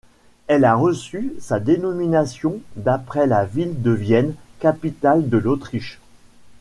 Elle a reçu sa dénomination d'après la ville de Vienne, capitale de l'Autriche.